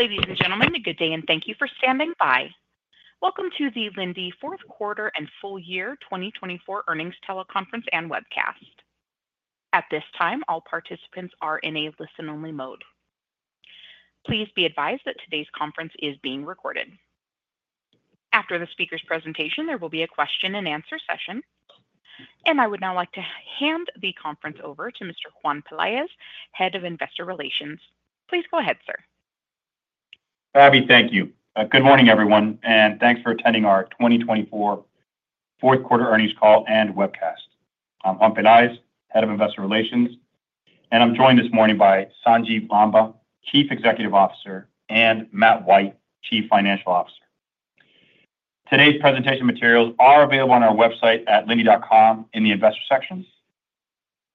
Ladies and gentlemen, a good day, and thank you for standing by. Welcome to the Linde Fourth Quarter and Full Year 2024 Earnings Teleconference and Webcast. At this time, all participants are in a listen-only mode. Please be advised that today's conference is being recorded. After the speaker's presentation, there will be a question-and-answer session, and I would now like to hand the conference over to Mr. Juan Peláez, Head of Investor Relations. Please go ahead, sir. Abby, thank you. Good morning, everyone, and thanks for attending our 2024 Fourth Quarter Earnings Call and Webcast. I'm Juan Peláez, Head of Investor Relations, and I'm joined this morning by Sanjiv Lamba, Chief Executive Officer, and Matt White, Chief Financial Officer. Today's presentation materials are available on our website at linde.com in the Investor section.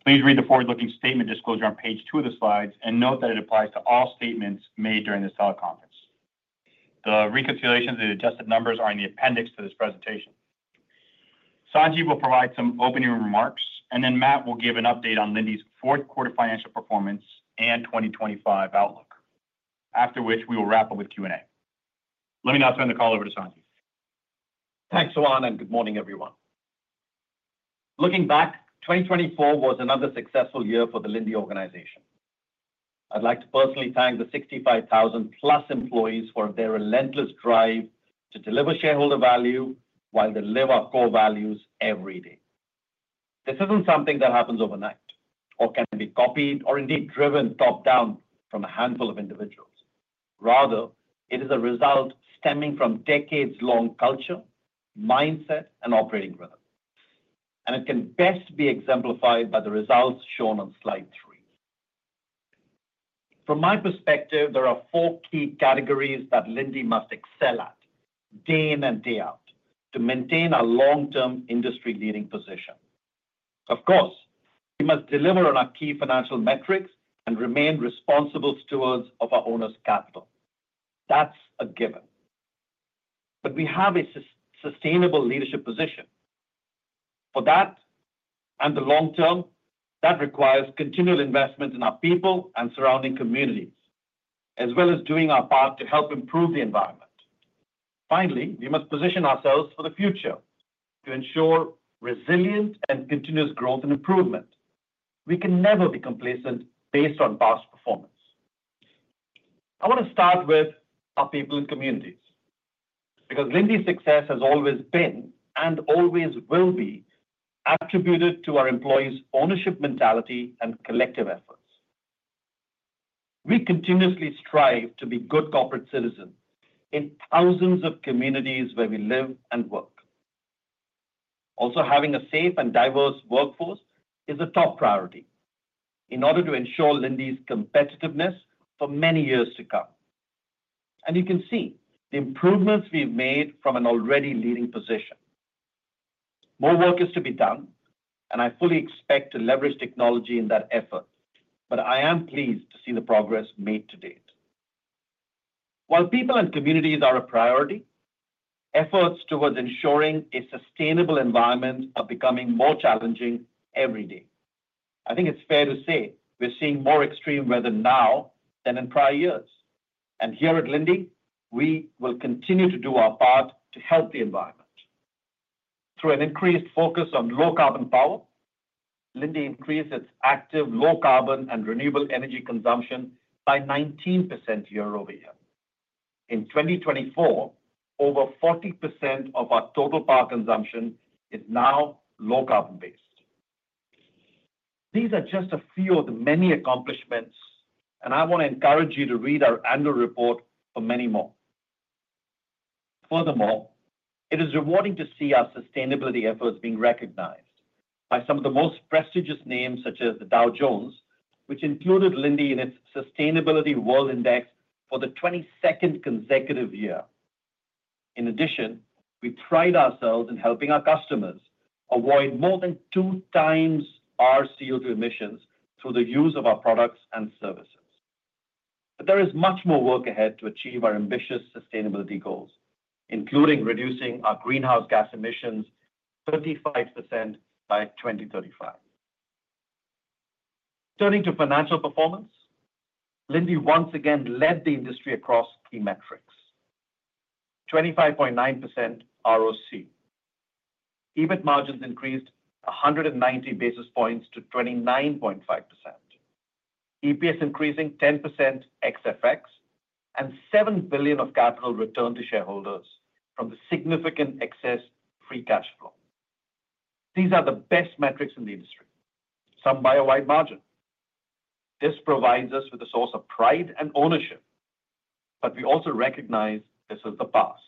Please read the forward-looking statement disclosure on page two of the slides and note that it applies to all statements made during this teleconference. The reconciliations and adjusted numbers are in the appendix to this presentation. Sanjiv will provide some opening remarks, and then Matt will give an update on Linde's fourth quarter financial performance and 2025 outlook, after which we will wrap up with Q&A. Let me now turn the call over to Sanjiv. Thanks, Juan, and good morning, everyone. Looking back, 2024 was another successful year for the Linde organization. I'd like to personally thank the 65,000-plus employees for their relentless drive to deliver shareholder value while they live our core values every day. This isn't something that happens overnight or can be copied or indeed driven top-down from a handful of individuals. Rather, it is a result stemming from decades-long culture, mindset, and operating rhythm. And it can best be exemplified by the results shown on slide three. From my perspective, there are four key categories that Linde must excel at, day in and day out, to maintain a long-term industry-leading position. Of course, we must deliver on our key financial metrics and remain responsible stewards of our owner's capital. That's a given. But we have a sustainable leadership position. For that and the long term, that requires continual investment in our people and surrounding communities, as well as doing our part to help improve the environment. Finally, we must position ourselves for the future to ensure resilient and continuous growth and improvement. We can never be complacent based on past performance. I want to start with our people and communities because Linde's success has always been and always will be attributed to our employees' ownership mentality and collective efforts. We continuously strive to be good corporate citizens in thousands of communities where we live and work. Also, having a safe and diverse workforce is a top priority in order to ensure Linde's competitiveness for many years to come. And you can see the improvements we've made from an already leading position. More work is to be done, and I fully expect to leverage technology in that effort. But I am pleased to see the progress made to date. While people and communities are a priority, efforts towards ensuring a sustainable environment are becoming more challenging every day. I think it's fair to say we're seeing more extreme weather now than in prior years. And here at Linde, we will continue to do our part to help the environment. Through an increased focus on low-carbon power, Linde increased its active low-carbon and renewable energy consumption by 19% year over year. In 2024, over 40% of our total power consumption is now low-carbon-based. These are just a few of the many accomplishments, and I want to encourage you to read our annual report for many more. Furthermore, it is rewarding to see our sustainability efforts being recognized by some of the most prestigious names, such as the Dow Jones, which included Linde in its Sustainability World Index for the 22nd consecutive year. In addition, we pride ourselves in helping our customers avoid more than two times our CO2 emissions through the use of our products and services. But there is much more work ahead to achieve our ambitious sustainability goals, including reducing our greenhouse gas emissions 35% by 2035. Turning to financial performance, Linde once again led the industry across key metrics: 25.9% ROC, EBIT margins increased 190 basis points to 29.5%, EPS increasing 10% ex FX, and $7 billion of capital returned to shareholders from the significant excess free cash flow. These are the best metrics in the industry, some by a wide margin. This provides us with a source of pride and ownership, but we also recognize this is the past.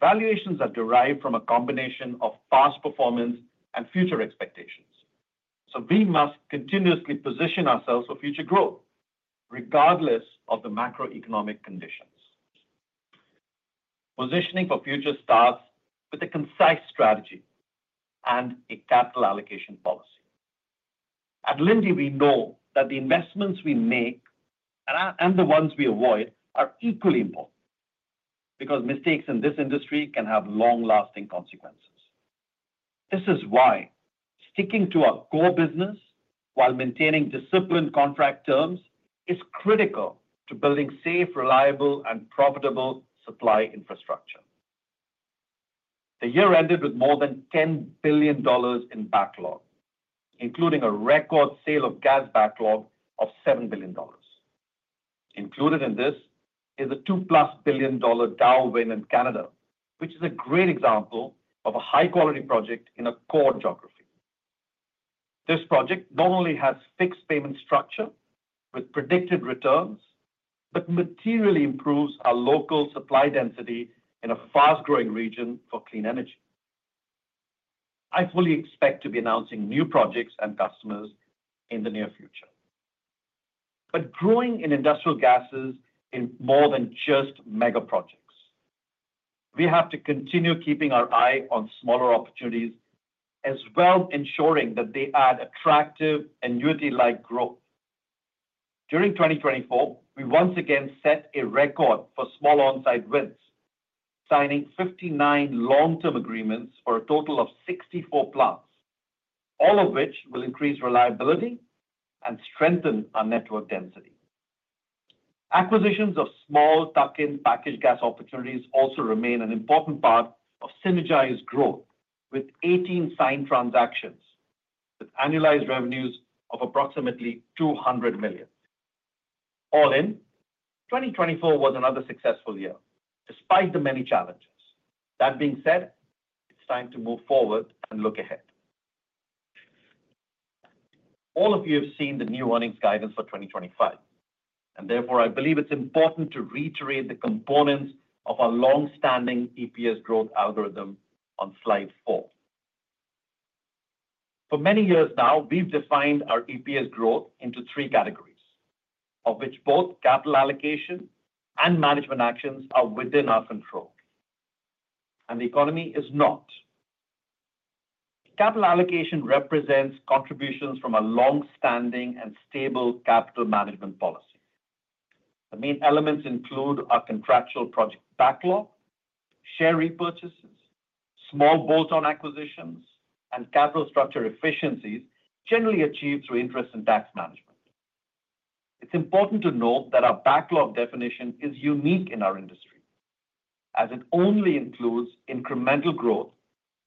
Valuations are derived from a combination of past performance and future expectations. So we must continuously position ourselves for future growth, regardless of the macroeconomic conditions. Positioning for future starts with a concise strategy and a capital allocation policy. At Linde, we know that the investments we make and the ones we avoid are equally important because mistakes in this industry can have long-lasting consequences. This is why sticking to our core business while maintaining disciplined contract terms is critical to building safe, reliable, and profitable supply infrastructure. The year ended with more than $10 billion in backlog, including a record sale of gas backlog of $7 billion. Included in this is a $2+ billion Dow win in Canada, which is a great example of a high-quality project in a core geography. This project not only has fixed payment structure with predicted returns but materially improves our local supply density in a fast-growing region for clean energy. I fully expect to be announcing new projects and customers in the near future. But growing in industrial gas is more than just mega projects. We have to continue keeping our eye on smaller opportunities as well as ensuring that they add attractive annuity-like growth. During 2024, we once again set a record for small onsite wins, signing 59 long-term agreements for a total of 64 plants, all of which will increase reliability and strengthen our network density. Acquisitions of small tuck-in packaged gas opportunities also remain an important part of synergized growth, with 18 signed transactions, with annualized revenues of approximately $200 million. All in, 2024 was another successful year, despite the many challenges. That being said, it's time to move forward and look ahead. All of you have seen the new earnings guidance for 2025, and therefore I believe it's important to reiterate the components of our long-standing EPS growth algorithm on slide four. For many years now, we've defined our EPS growth into three categories, of which both capital allocation and management actions are within our control, and the economy is not. Capital allocation represents contributions from a long-standing and stable capital management policy. The main elements include our contractual project backlog, share repurchases, small bolt-on acquisitions, and capital structure efficiencies generally achieved through interest and tax management. It's important to note that our backlog definition is unique in our industry, as it only includes incremental growth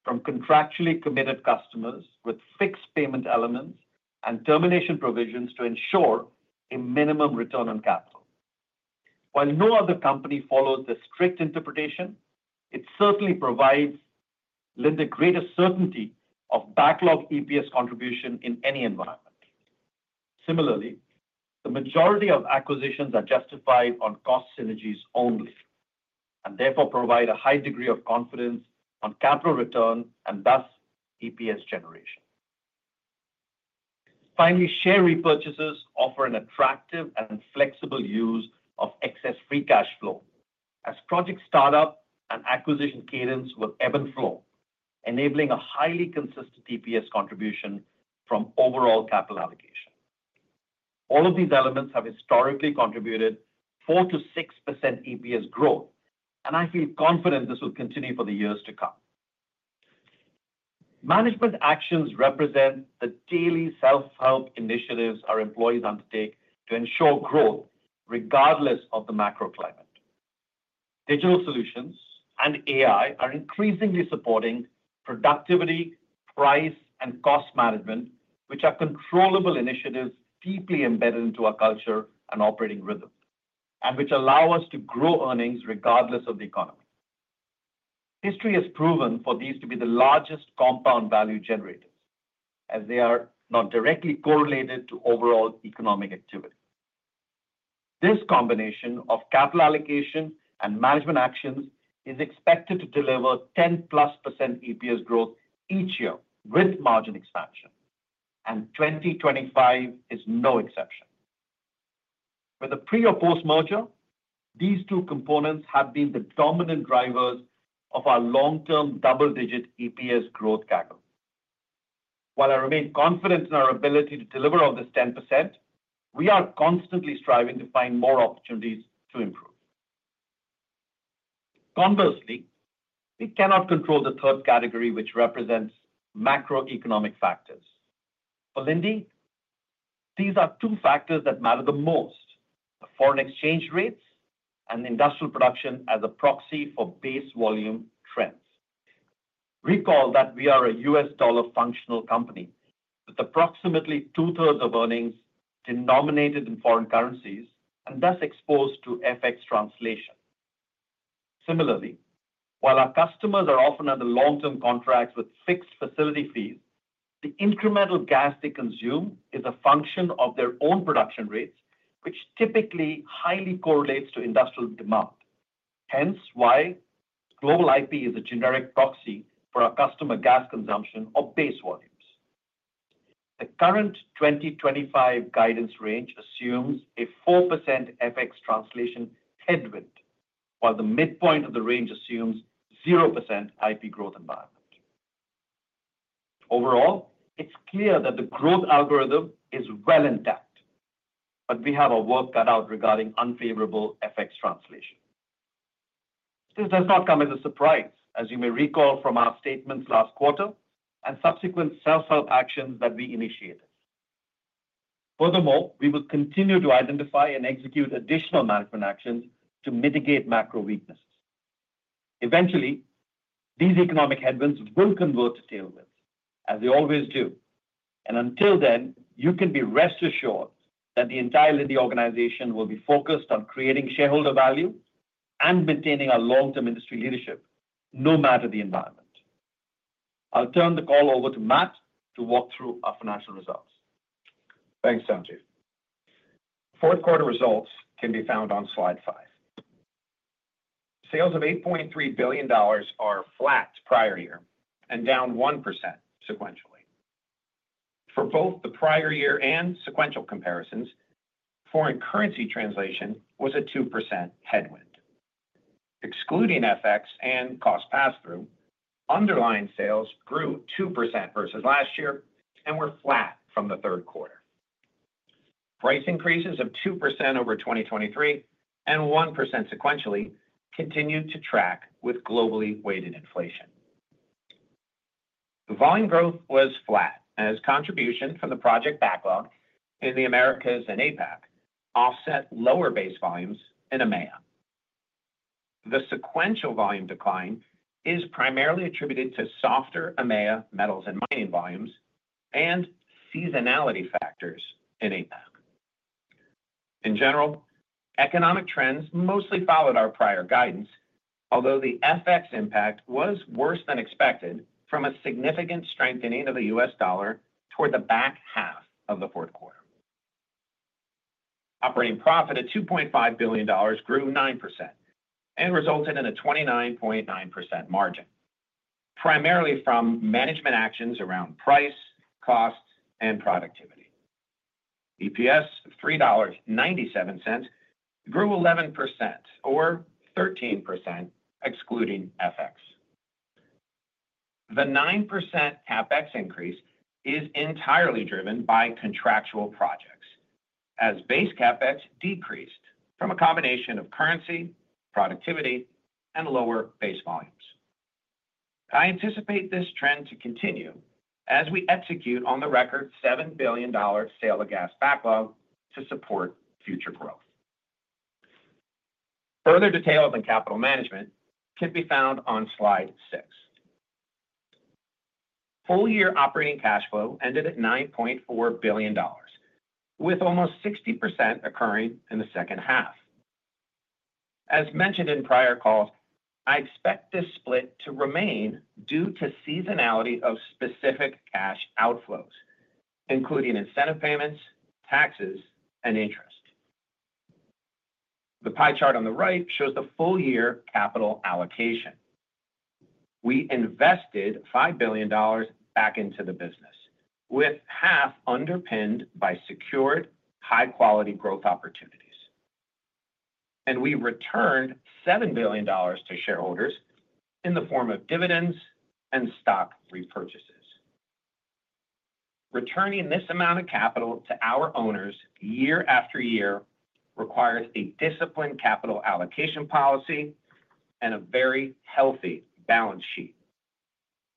from contractually committed customers with fixed payment elements and termination provisions to ensure a minimum return on capital. While no other company follows this strict interpretation, it certainly provides Linde greater certainty of backlog EPS contribution in any environment. Similarly, the majority of acquisitions are justified on cost synergies only and therefore provide a high degree of confidence on capital return and thus EPS generation. Finally, share repurchases offer an attractive and flexible use of excess free cash flow as project startup and acquisition cadence will ebb and flow, enabling a highly consistent EPS contribution from overall capital allocation. All of these elements have historically contributed 4%-6% EPS growth, and I feel confident this will continue for the years to come. Management actions represent the daily self-help initiatives our employees undertake to ensure growth regardless of the macro climate. Digital solutions and AI are increasingly supporting productivity, price, and cost management, which are controllable initiatives deeply embedded into our culture and operating rhythm, and which allow us to grow earnings regardless of the economy. History has proven for these to be the largest compound value generators, as they are not directly correlated to overall economic activity. This combination of capital allocation and management actions is expected to deliver 10-plus% EPS growth each year with margin expansion, and 2025 is no exception. With a pre- or post-merger, these two components have been the dominant drivers of our long-term double-digit EPS growth angle. While I remain confident in our ability to deliver on this 10%, we are constantly striving to find more opportunities to improve. Conversely, we cannot control the third category, which represents macroeconomic factors. For Linde, these are two factors that matter the most: foreign exchange rates and industrial production as a proxy for base volume trends. Recall that we are a U.S. dollar functional company with approximately two-thirds of earnings denominated in foreign currencies and thus exposed to FX translation. Similarly, while our customers are often under long-term contracts with fixed facility fees, the incremental gas they consume is a function of their own production rates, which typically highly correlates to industrial demand. Hence why global IP is a generic proxy for our customer gas consumption or base volumes. The current 2025 guidance range assumes a 4% FX translation headwind, while the midpoint of the range assumes 0% IP growth environment. Overall, it's clear that the growth algorithm is well intact, but we have our work cut out regarding unfavorable FX translation. This does not come as a surprise, as you may recall from our statements last quarter and subsequent self-help actions that we initiated. Furthermore, we will continue to identify and execute additional management actions to mitigate macro weaknesses. Eventually, these economic headwinds will convert to tailwinds, as they always do, and until then, you can be rest assured that the entire Linde organization will be focused on creating shareholder value and maintaining our long-term industry leadership no matter the environment. I'll turn the call over to Matt to walk through our financial results. Thanks, Sanjiv. Fourth-quarter results can be found on slide five. Sales of $8.3 billion are flat prior year and down 1% sequentially. For both the prior year and sequential comparisons, foreign currency translation was a 2% headwind. Excluding FX and cost pass-through, underlying sales grew 2% versus last year and were flat from the third quarter. Price increases of 2% over 2023 and 1% sequentially continued to track with globally weighted inflation. The volume growth was flat as contribution from the project backlog in the Americas and APAC offset lower base volumes in EMEA. The sequential volume decline is primarily attributed to softer EMEA metals and mining volumes and seasonality factors in APAC. In general, economic trends mostly followed our prior guidance, although the FX impact was worse than expected from a significant strengthening of the US dollar toward the back half of the fourth quarter. Operating profit of $2.5 billion grew 9% and resulted in a 29.9% margin, primarily from management actions around price, cost, and productivity. EPS of $3.97 grew 11% or 13% excluding FX. The 9% CapEx increase is entirely driven by contractual projects, as base CapEx decreased from a combination of currency, productivity, and lower base volumes. I anticipate this trend to continue as we execute on the record $7 billion sale of gas backlog to support future growth. Further details on capital management can be found on slide six. Full-year operating cash flow ended at $9.4 billion, with almost 60% occurring in the second half. As mentioned in prior calls, I expect this split to remain due to seasonality of specific cash outflows, including incentive payments, taxes, and interest. The pie chart on the right shows the full-year capital allocation. We invested $5 billion back into the business, with half underpinned by secured high-quality growth opportunities, and we returned $7 billion to shareholders in the form of dividends and stock repurchases. Returning this amount of capital to our owners year after year requires a disciplined capital allocation policy and a very healthy balance sheet,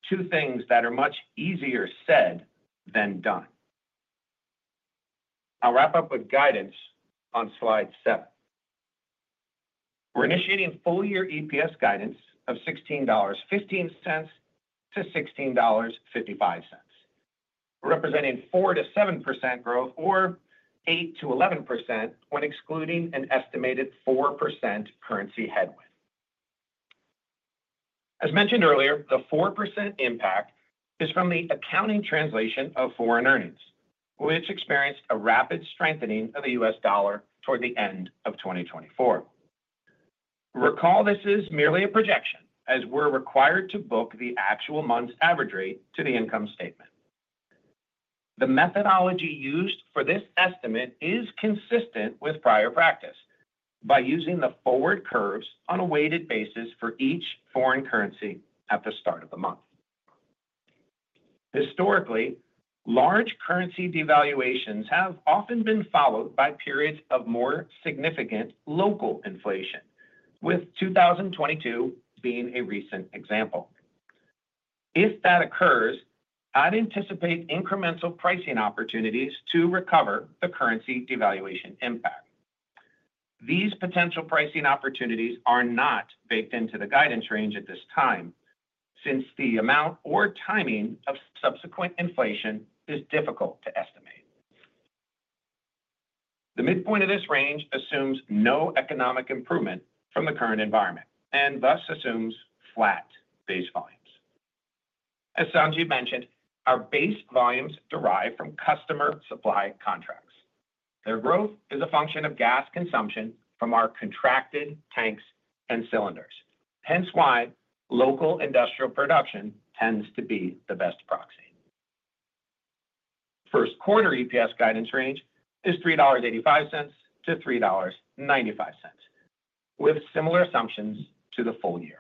two things that are much easier said than done. I'll wrap up with guidance on slide seven. We're initiating full-year EPS guidance of $16.15 to $16.55, representing 4% to 7% growth or 8% to 11% when excluding an estimated 4% currency headwind. As mentioned earlier, the 4% impact is from the accounting translation of foreign earnings, which experienced a rapid strengthening of the US dollar toward the end of 2024. Recall this is merely a projection, as we're required to book the actual month's average rate to the income statement. The methodology used for this estimate is consistent with prior practice by using the forward curves on a weighted basis for each foreign currency at the start of the month. Historically, large currency devaluations have often been followed by periods of more significant local inflation, with 2022 being a recent example. If that occurs, I'd anticipate incremental pricing opportunities to recover the currency devaluation impact. These potential pricing opportunities are not baked into the guidance range at this time, since the amount or timing of subsequent inflation is difficult to estimate. The midpoint of this range assumes no economic improvement from the current environment and thus assumes flat base volumes. As Sanjiv mentioned, our base volumes derive from customer supply contracts. Their growth is a function of gas consumption from our contracted tanks and cylinders. Hence why local industrial production tends to be the best proxy. First-quarter EPS guidance range is $3.85-$3.95, with similar assumptions to the full year.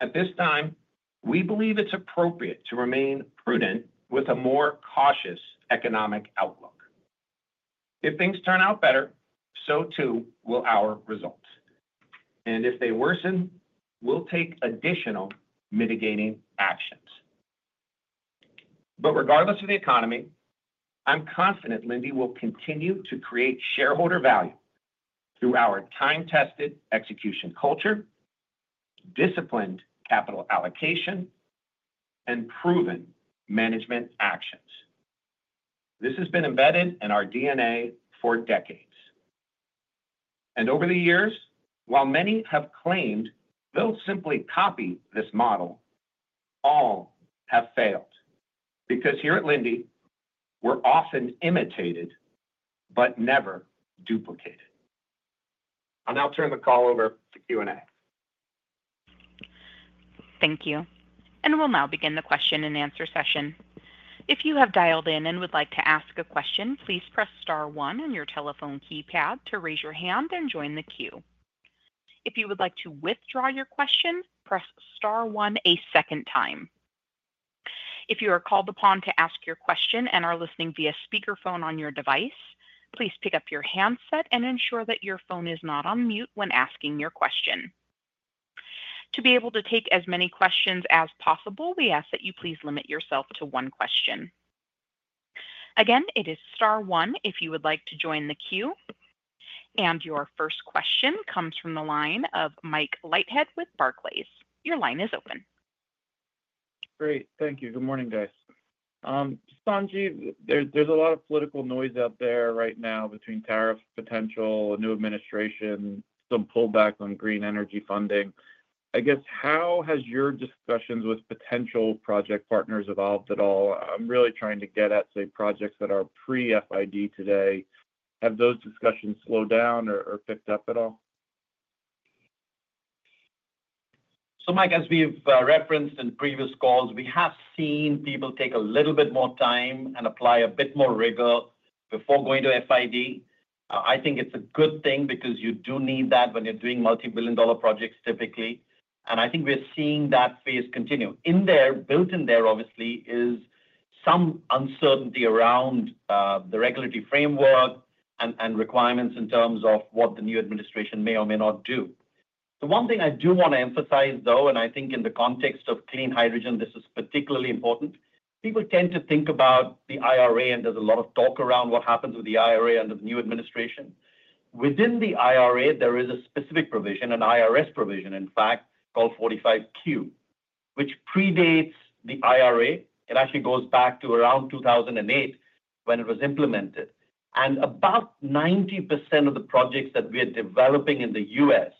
At this time, we believe it's appropriate to remain prudent with a more cautious economic outlook. If things turn out better, so too will our results, and if they worsen, we'll take additional mitigating actions. But regardless of the economy, I'm confident Linde will continue to create shareholder value through our time-tested execution culture, disciplined capital allocation, and proven management actions. This has been embedded in our DNA for decades. And over the years, while many have claimed they'll simply copy this model, all have failed because here at Linde, we're often imitated but never duplicated. I'll now turn the call over to Q&A. Thank you. And we'll now begin the question and answer session. If you have dialed in and would like to ask a question, please press star one on your telephone keypad to raise your hand and join the queue. If you would like to withdraw your question, press star one a second time. If you are called upon to ask your question and are listening via speakerphone on your device, please pick up your handset and ensure that your phone is not on mute when asking your question. To be able to take as many questions as possible, we ask that you please limit yourself to one question. Again, it is star one if you would like to join the queue. And your first question comes from the line of Mike Leithead with Barclays. Your line is open. Great. Thank you. Good morning, guys. Sanjiv, there's a lot of political noise out there right now between tariff potential, a new administration, some pullback on green energy funding. I guess, how has your discussions with potential project partners evolved at all? I'm really trying to get at, say, projects that are pre-FID today. Have those discussions slowed down or picked up at all? So, Mike, as we've referenced in previous calls, we have seen people take a little bit more time and apply a bit more rigor before going to FID. I think it's a good thing because you do need that when you're doing multi-billion dollar projects typically. And I think we're seeing that phase continue. In there, built in there, obviously, is some uncertainty around the regulatory framework and requirements in terms of what the new administration may or may not do. The one thing I do want to emphasize, though, and I think in the context of clean hydrogen, this is particularly important, people tend to think about the IRA, and there's a lot of talk around what happens with the IRA under the new administration. Within the IRA, there is a specific provision, an IRS provision, in fact, called 45Q, which predates the IRA. It actually goes back to around 2008 when it was implemented. And about 90% of the projects that we are developing in the U.S.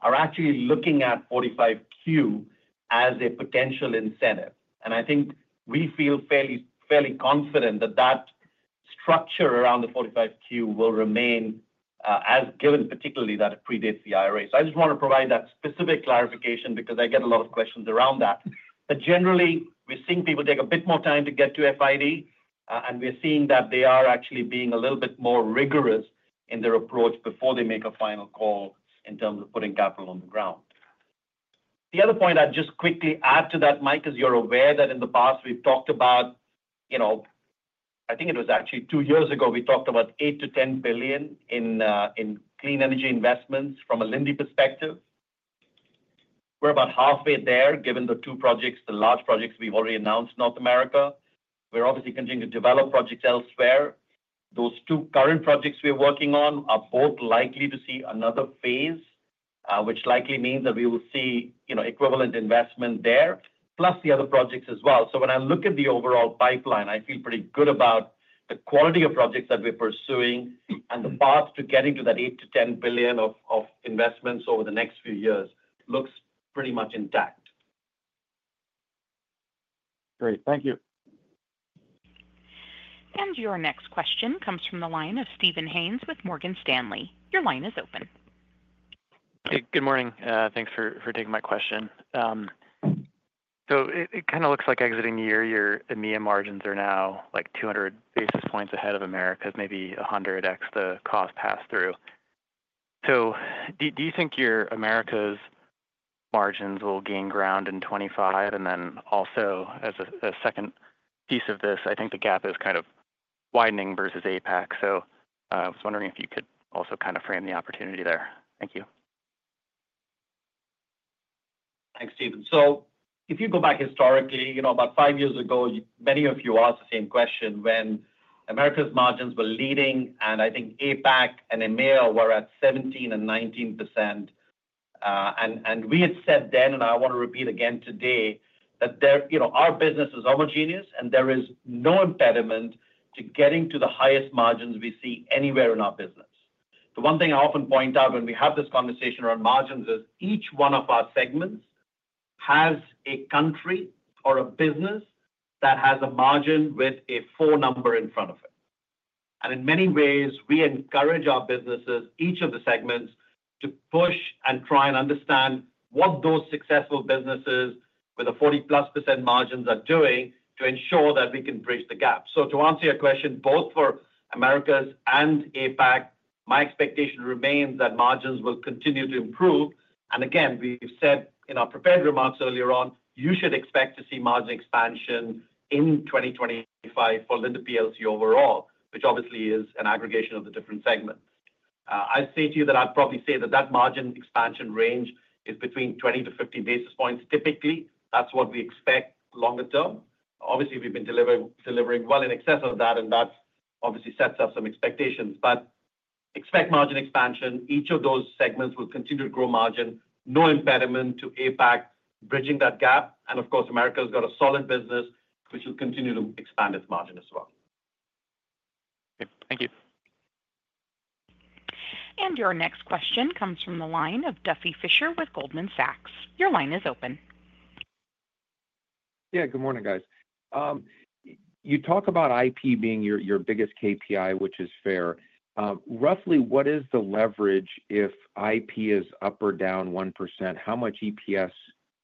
are actually looking at 45Q as a potential incentive. And I think we feel fairly confident that that structure around the 45Q will remain, as given particularly that it predates the IRA. So I just want to provide that specific clarification because I get a lot of questions around that. But generally, we're seeing people take a bit more time to get to FID, and we're seeing that they are actually being a little bit more rigorous in their approach before they make a final call in terms of putting capital on the ground. The other point I'd just quickly add to that, Mike, as you're aware that in the past we've talked about, I think it was actually two years ago, we talked about $8 billion-$10 billion in clean energy investments from a Linde perspective. We're about halfway there, given the two projects, the large projects we've already announced, North America. We're obviously continuing to develop projects elsewhere. Those two current projects we're working on are both likely to see another phase, which likely means that we will see equivalent investment there, plus the other projects as well. So when I look at the overall pipeline, I feel pretty good about the quality of projects that we're pursuing and the path to getting to that $8 billion-$10 billion of investments over the next few years looks pretty much intact. Great. Thank you. And your next question comes from the line of Mike Leithead with Barclays Your line is open. Hey, good morning. Thanks for taking my question. So it kind of looks like exiting the year, your EMEA margins are now like 200 basis points ahead of Americas, maybe 100X the cost pass-through. So do you think your Americas margins will gain ground in 2025? And then also, as a second piece of this, I think the gap is kind of widening versus APAC. So I was wondering if you could also kind of frame the opportunity there. Thank you. Thanks, Stephen. So if you go back historically, about five years ago, many of you asked the same question when Americas margins were leading, and I think APAC and EMEA were at 17% and 19%. And we had said then, and I want to repeat again today, that our business is homogeneous and there is no impediment to getting to the highest margins we see anywhere in our business. The one thing I often point out when we have this conversation around margins is each one of our segments has a country or a business that has a margin with a full number in front of it. And in many ways, we encourage our businesses, each of the segments, to push and try and understand what those successful businesses with a 40+% margins are doing to ensure that we can bridge the gap. So to answer your question, both for Americas and APAC, my expectation remains that margins will continue to improve. And again, we've said in our prepared remarks earlier on, you should expect to see margin expansion in 2025 for Linde plc overall, which obviously is an aggregation of the different segments. I'd say to you that I'd probably say that that margin expansion range is between 20 to 50 basis points. Typically, that's what we expect longer term. Obviously, we've been delivering well in excess of that, and that obviously sets up some expectations. But expect margin expansion. Each of those segments will continue to grow margin. No impediment to APAC bridging that gap. And of course, America's got a solid business, which will continue to expand its margin as well. Thank you. And your next question comes from the line of Duffy Fischer with Goldman Sachs. Your line is open. Yeah, good morning, guys. You talk about IP being your biggest KPI, which is fair. Roughly, what is the leverage if IP is up or down 1%? How much EPS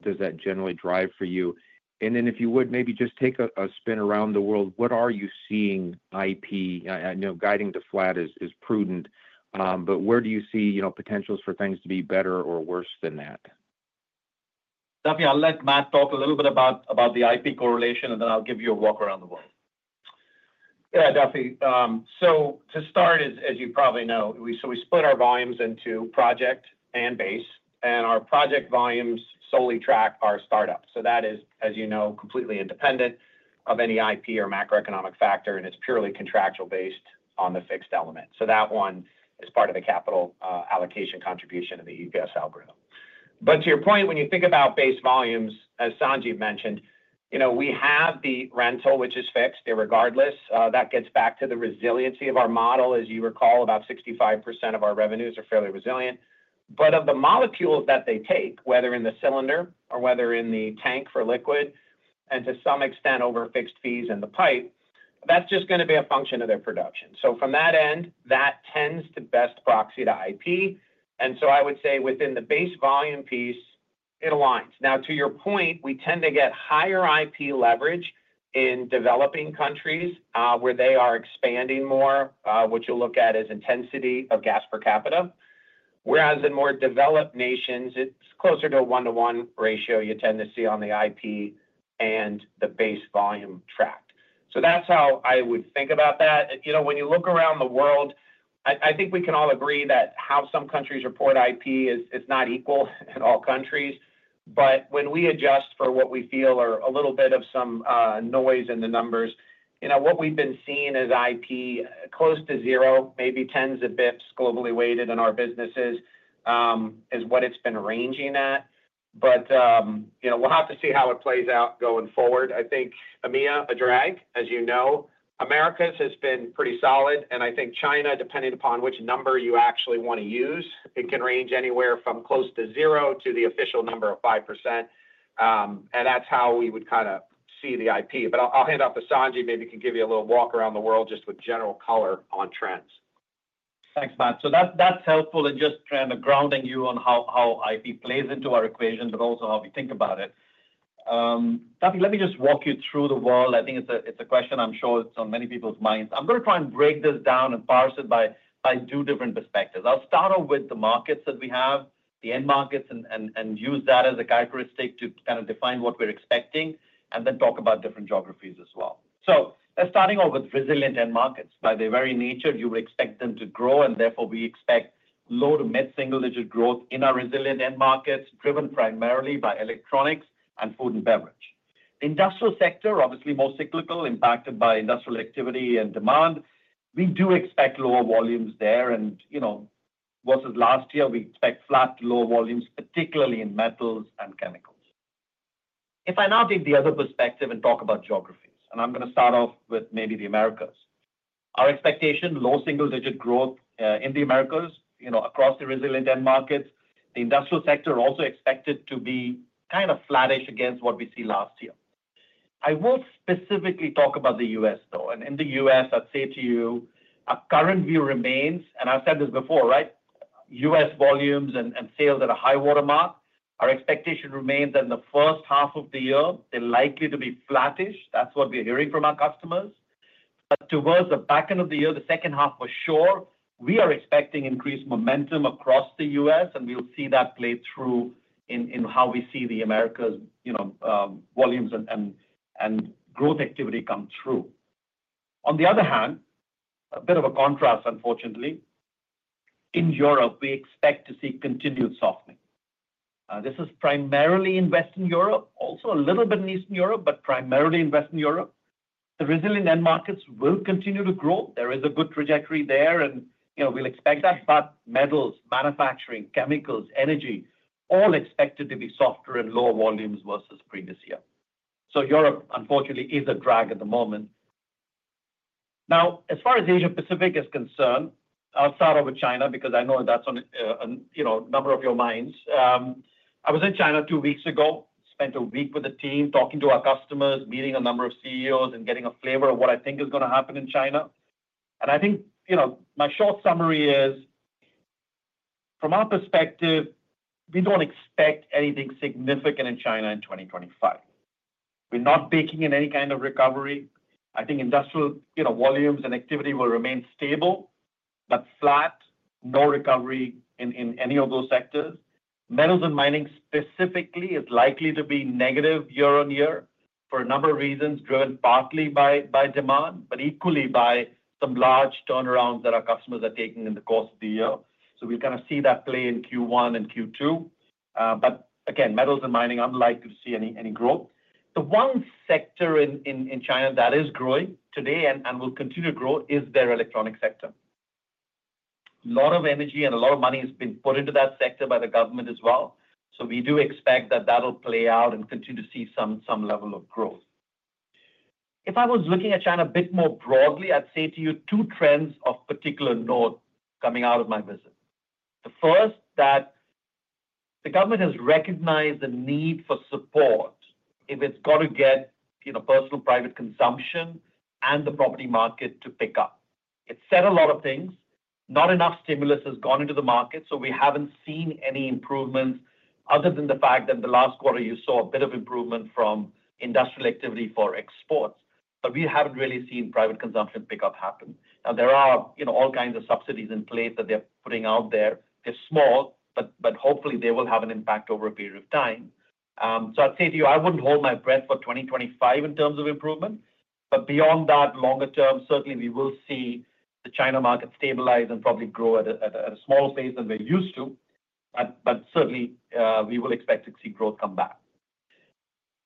does that generally drive for you? And then, if you would, maybe just take a spin around the world, what are you seeing? IP guiding to flat is prudent, but where do you see potentials for things to be better or worse than that? Duffy, I'll let Matt talk a little bit about the IP correlation, and then I'll give you a walk around the world. Yeah, Duffy. So to start, as you probably know, so we split our volumes into project and base, and our project volumes solely track our startup. So that is, as you know, completely independent of any IP or macroeconomic factor, and it's purely contractual based on the fixed element. So that one is part of the capital allocation contribution of the EPS algorithm. But to your point, when you think about base volumes, as Sanjiv mentioned, we have the rental, which is fixed. Irregardless, that gets back to the resiliency of our model. As you recall, about 65% of our revenues are fairly resilient. But of the molecules that they take, whether in the cylinder or whether in the tank for liquid, and to some extent over fixed fees in the pipe, that's just going to be a function of their production. So from that end, that tends to best proxy to IP. And so I would say within the base volume piece, it aligns. Now, to your point, we tend to get higher IP leverage in developing countries where they are expanding more, which you'll look at as intensity of gas per capita. Whereas in more developed nations, it's closer to a one-to-one ratio you tend to see on the IP and the base volume tracked. So that's how I would think about that. When you look around the world, I think we can all agree that how some countries report IP is not equal in all countries. But when we adjust for what we feel are a little bit of some noise in the numbers, what we've been seeing is IP close to zero, maybe tens of basis points globally weighted in our businesses is what it's been ranging at. But we'll have to see how it plays out going forward. I think EMEA, a drag, as you know. Americas has been pretty solid. And I think China, depending upon which number you actually want to use, it can range anywhere from close to zero to the official number of 5%. And that's how we would kind of see the IP. But I'll hand off to Sanjiv. Maybe he can give you a little walk around the world just with general color on trends. Thanks, Matt. So that's helpful in just kind of grounding you on how IP plays into our equation, but also how we think about it. Duffy, let me just walk you through the world. I think it's a question I'm sure it's on many people's minds. I'm going to try and break this down and parse it by two different perspectives. I'll start off with the markets that we have, the end markets, and use that as a characteristic to kind of define what we're expecting, and then talk about different geographies as well. So starting off with resilient end markets. By their very nature, you would expect them to grow, and therefore we expect low to mid-single-digit growth in our resilient end markets, driven primarily by electronics and food and beverage. The industrial sector, obviously most cyclical, impacted by industrial activity and demand, we do expect lower volumes there, and versus last year, we expect flat to lower volumes, particularly in metals and chemicals. If I now take the other perspective and talk about geographies, and I'm going to start off with maybe the Americas. Our expectation, low single-digit growth in the Americas across the resilient end markets. The industrial sector also expected to be kind of flattish against what we see last year. I won't specifically talk about the U.S., though, and in the U.S., I'd say to you, our current view remains, and I've said this before, right? U.S. volumes and sales at a high watermark. Our expectation remains that in the first half of the year, they're likely to be flattish. That's what we're hearing from our customers, but towards the back end of the year, the second half for sure, we are expecting increased momentum across the U.S., and we'll see that play through in how we see the Americas volumes and growth activity come through. On the other hand, a bit of a contrast, unfortunately, in Europe, we expect to see continued softening. This is primarily in Western Europe, also a little bit in Eastern Europe, but primarily in Western Europe. The resilient end markets will continue to grow. There is a good trajectory there, and we'll expect that, but metals, manufacturing, chemicals, energy all expected to be softer and lower volumes versus previous year, so Europe, unfortunately, is a drag at the moment. Now, as far as Asia-Pacific is concerned, I'll start with China because I know that's on a number of your minds. I was in China two weeks ago, spent a week with a team, talking to our customers, meeting a number of CEOs, and getting a flavor of what I think is going to happen in China, and I think my short summary is, from our perspective, we don't expect anything significant in China in 2025. We're not baking in any kind of recovery. I think industrial volumes and activity will remain stable, but flat, no recovery in any of those sectors. Metals and mining specifically is likely to be negative year on year for a number of reasons driven partly by demand, but equally by some large turnarounds that our customers are taking in the course of the year. So we'll kind of see that play in Q1 and Q2. But again, metals and mining, I'm likely to see any growth. The one sector in China that is growing today and will continue to grow is their electronics sector. A lot of energy and a lot of money has been put into that sector by the government as well. So we do expect that that'll play out and continue to see some level of growth. If I was looking at China a bit more broadly, I'd say to you two trends of particular note coming out of my visit. The first, that the government has recognized the need for support if it's got to get personal private consumption and the property market to pick up. It's said a lot of things. Not enough stimulus has gone into the market, so we haven't seen any improvements other than the fact that in the last quarter, you saw a bit of improvement from industrial activity for exports. But we haven't really seen private consumption pick up happen. Now, there are all kinds of subsidies in place that they're putting out there. They're small, but hopefully they will have an impact over a period of time. So I'd say to you, I wouldn't hold my breath for 2025 in terms of improvement. But beyond that, longer term, certainly we will see the China market stabilize and probably grow at a small pace than we're used to. But certainly, we will expect to see growth come back.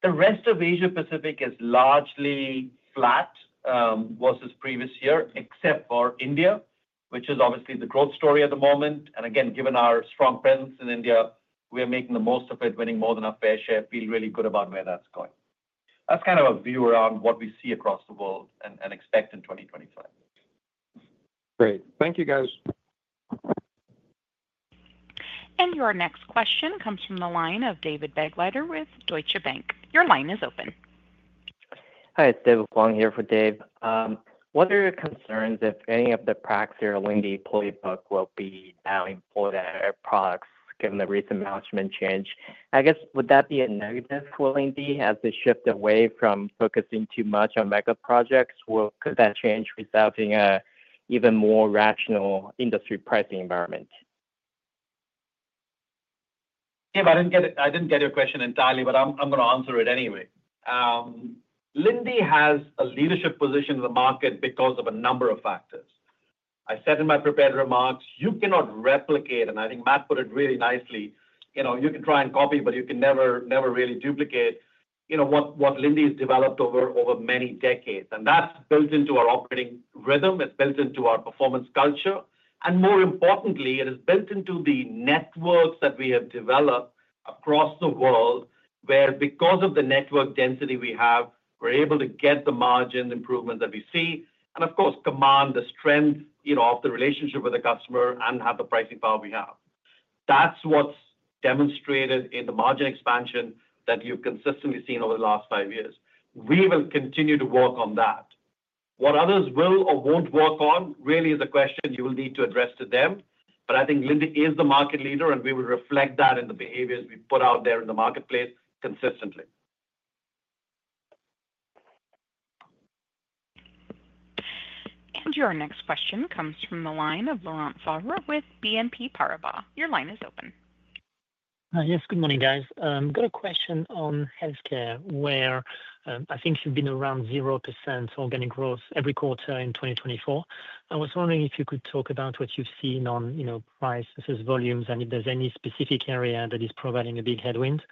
The rest of Asia-Pacific is largely flat versus previous year, except for India, which is obviously the growth story at the moment. And again, given our strong presence in India, we are making the most of it, winning more than our fair share. We feel really good about where that's going. That's kind of a view around what we see across the world and expect in 2025. Great. Thank you, guys. And your next question comes from the line of David Begleiter with Deutsche Bank. Your line is open. Hi, it's David Wang here for Dave. What are your concerns if any of the APAC's or Linde's playbook will be now employed at Air Products given the recent management change? I guess, would that be a negative for Linde as they shift away from focusing too much on mega projects? Could that change result in an even more rational industry pricing environment? Yeah, but I didn't get your question entirely, but I'm going to answer it anyway. Linde has a leadership position in the market because of a number of factors. I said in my prepared remarks, you cannot replicate, and I think Matt put it really nicely, you can try and copy, but you can never really duplicate what Linde has developed over many decades. And that's built into our operating rhythm. It's built into our performance culture. And more importantly, it is built into the networks that we have developed across the world where, because of the network density we have, we're able to get the margin improvements that we see and, of course, command the strength of the relationship with the customer and have the pricing power we have. That's what's demonstrated in the margin expansion that you've consistently seen over the last five years. We will continue to work on that. What others will or won't work on really is a question you will need to address to them. But I think Linde is the market leader, and we will reflect that in the behaviors we put out there in the marketplace consistently. And your next question comes from the line of Laurent Favre with BNP Paribas. Your line is open. Yes, good morning, guys. I've got a question on healthcare where I think you've been around 0% organic growth every quarter in 2024. I was wondering if you could talk about what you've seen on price versus volumes and if there's any specific area that is providing a big headwind.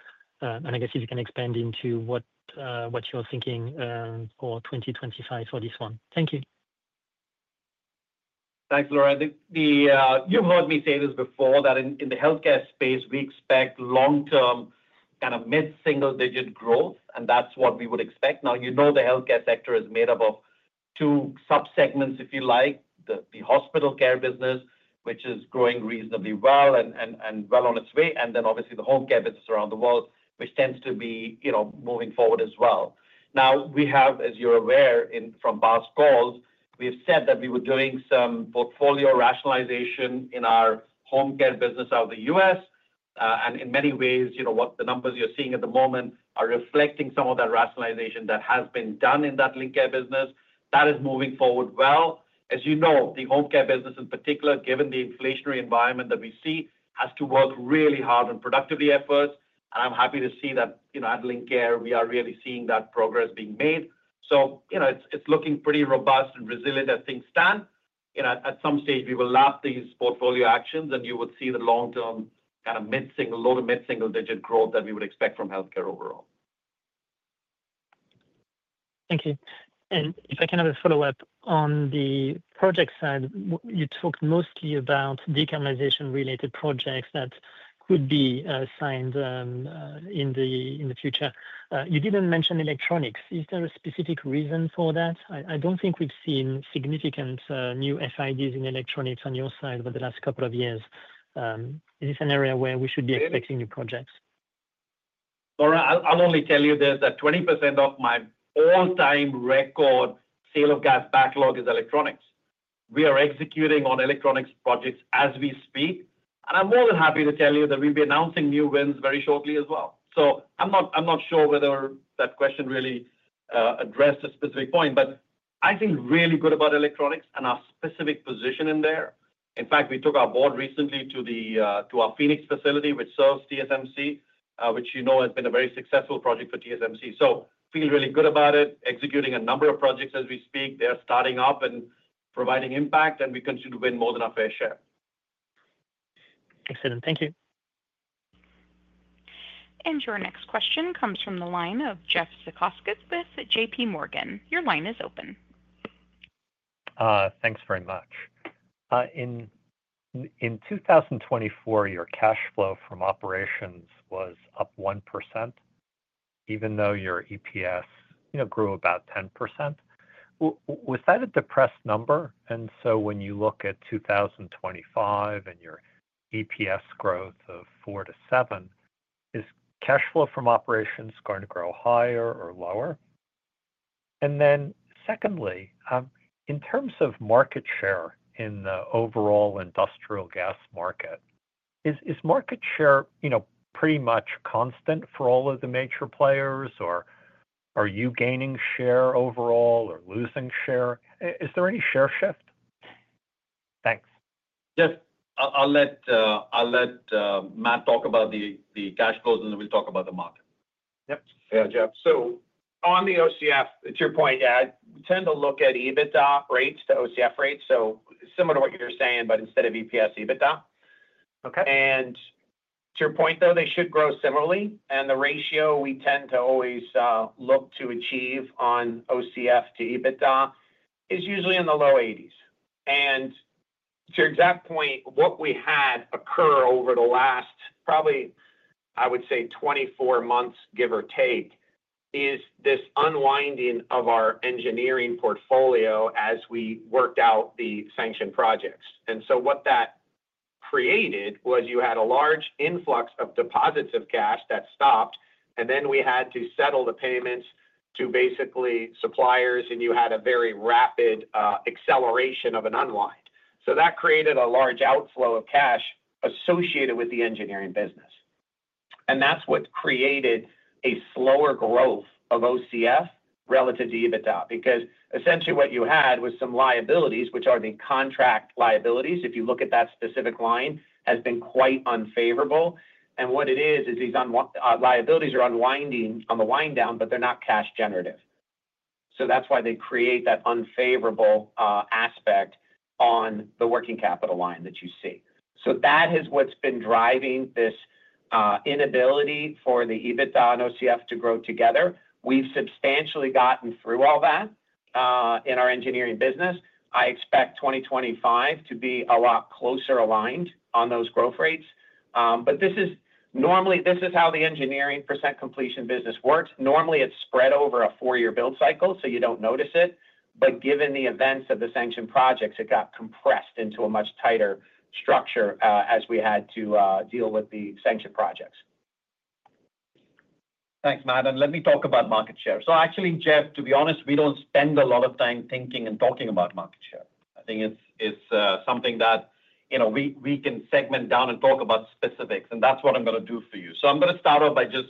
And I guess if you can expand into what you're thinking for 2025 for this one. Thank you. Thanks, Laurent. You've heard me say this before, that in the healthcare space, we expect long-term kind of mid-single-digit growth, and that's what we would expect. Now, you know the healthcare sector is made up of two subsegments, if you like, the hospital care business, which is growing reasonably well and well on its way, and then obviously the home care business around the world, which tends to be moving forward as well. Now, we have, as you're aware from past calls, we have said that we were doing some portfolio rationalization in our home care business out of the U.S., and in many ways, what the numbers you're seeing at the moment are reflecting some of that rationalization that has been done in that home care business. That is moving forward well. As you know, the home care business in particular, given the inflationary environment that we see, has to work really hard on productivity efforts, and I'm happy to see that at Lincare, we are really seeing that progress being made, so it's looking pretty robust and resilient as things stand. At some stage, we will lap these portfolio actions, and you will see the long-term kind of low to mid-single-digit growth that we would expect from healthcare overall. Thank you, and if I can have a follow-up on the project side, you talked mostly about decarbonization-related projects that could be signed in the future. You didn't mention electronics. Is there a specific reason for that? I don't think we've seen significant new FIDs in electronics on your side over the last couple of years. Is this an area where we should be expecting new projects? Laurent, I'll only tell you there's 20% of my all-time record sale of gas backlog is electronics. We are executing on electronics projects as we speak. And I'm more than happy to tell you that we'll be announcing new wins very shortly as well. So I'm not sure whether that question really addressed a specific point, but I feel really good about electronics and our specific position in there. In fact, we took our board recently to our Phoenix facility, which serves TSMC, which you know has been a very successful project for TSMC. So I feel really good about it, executing a number of projects as we speak. They're starting up and providing impact, and we continue to win more than our fair share. Excellent. Thank you. And your next question comes from the line of Jeff Zekauskas with J.P. Morgan. Your line is open. Thanks very much. In 2024, your cash flow from operations was up 1%, even though your EPS grew about 10%. Was that a depressed number? And so when you look at 2025 and your EPS growth of 4%-7%, is cash flow from operations going to grow higher or lower? And then secondly, in terms of market share in the overall industrial gas market, is market share pretty much constant for all of the major players? Or are you gaining share overall or losing share? Is there any share shift? Thanks. Jeff, I'll let Matt talk about the cash flows, and then we'll talk about the market. Yep. Yeah, Jeff. So on the OCF, to your point, yeah, we tend to look at EBITDA rates to OCF rates. So similar to what you're saying, but instead of EPS, EBITDA. And to your point, though, they should grow similarly. And the ratio we tend to always look to achieve on OCF to EBITDA is usually in the low 80s. And to your exact point, what we had occur over the last probably, I would say, 24 months, give or take, is this unwinding of our engineering portfolio as we worked out the sanctioned projects. And so what that created was you had a large influx of deposits of cash that stopped, and then we had to settle the payments to basically suppliers, and you had a very rapid acceleration of an unwind. So that created a large outflow of cash associated with the engineering business. And that's what created a slower growth of OCF relative to EBITDA because, essentially, what you had was some liabilities, which are the contract liabilities. If you look at that specific line, it has been quite unfavorable. What it is, is these liabilities are unwinding on the wind down, but they're not cash generative. So that's why they create that unfavorable aspect on the working capital line that you see. So that is what's been driving this inability for the EBITDA and OCF to grow together. We've substantially gotten through all that in our engineering business. I expect 2025 to be a lot closer aligned on those growth rates. But normally, this is how the engineering percent completion business works. Normally, it's spread over a four-year build cycle, so you don't notice it. But given the events of the sanctioned projects, it got compressed into a much tighter structure as we had to deal with the sanctioned projects. Thanks, Matt. Let me talk about market share. So actually, Jeff, to be honest, we don't spend a lot of time thinking and talking about market share. I think it's something that we can segment down and talk about specifics. And that's what I'm going to do for you. So I'm going to start off by just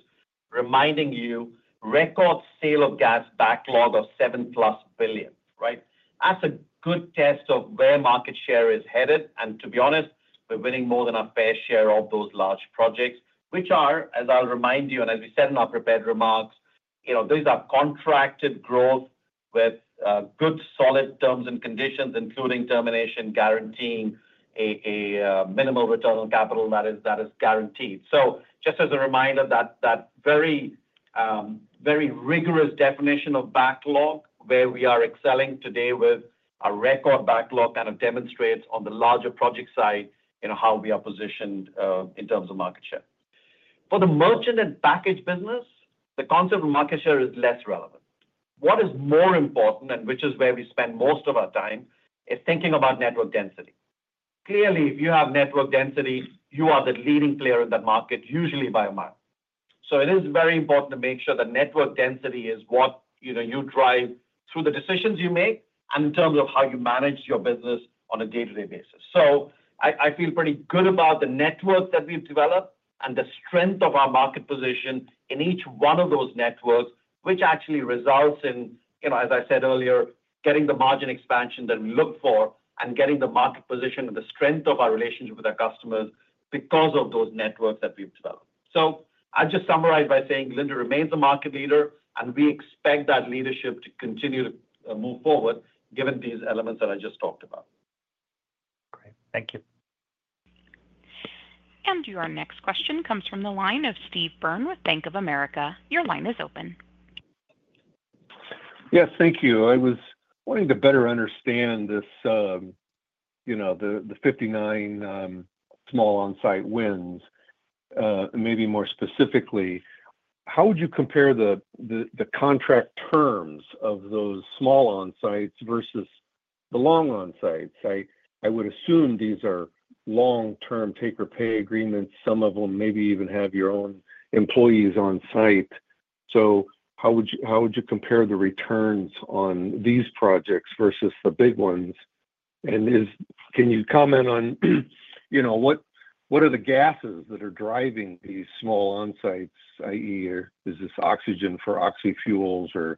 reminding you record sale of gas backlog of $7+ billion, right? That's a good test of where market share is headed. And to be honest, we're winning more than our fair share of those large projects, which are, as I'll remind you, and as we said in our prepared remarks, these are contracted growth with good solid terms and conditions, including termination, guaranteeing a minimal return on capital that is guaranteed. So just as a reminder, that very rigorous definition of backlog, where we are excelling today with our record backlog, kind of demonstrates on the larger project side how we are positioned in terms of market share. For the merchant and package business, the concept of market share is less relevant. What is more important, and which is where we spend most of our time, is thinking about network density. Clearly, if you have network density, you are the leading player in that market, usually by a mile. So it is very important to make sure that network density is what you drive through the decisions you make and in terms of how you manage your business on a day-to-day basis. So I feel pretty good about the networks that we've developed and the strength of our market position in each one of those networks, which actually results in, as I said earlier, getting the margin expansion that we look for and getting the market position and the strength of our relationship with our customers because of those networks that we've developed. So I'll just summarize by saying Linde remains a market leader, and we expect that leadership to continue to move forward given these elements that I just talked about. Great. Thank you. And your next question comes from the line of Steve Byrne with Bank of America. Your line is open. Yes, thank you. I was wanting to better understand the 59 small on-site wins, maybe more specifically. How would you compare the contract terms of those small on-sites versus the large on-sites? I would assume these are long-term take-or-pay agreements. Some of them maybe even have your own employees on site. So how would you compare the returns on these projects versus the big ones? And can you comment on what are the gases that are driving these small on-sites, i.e., is this oxygen for oxy-fuels or